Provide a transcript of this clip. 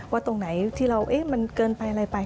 ตรงไหนที่เรามันเกินไปอะไรไป